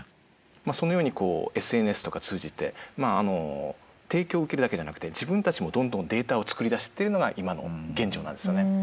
そのようにＳＮＳとか通じて提供を受けるだけじゃなくて自分たちもどんどんデータを作り出すっていうのが今の現状なんですよね。